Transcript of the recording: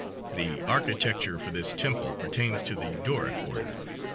The architecture of this temple pertains to the Doric order.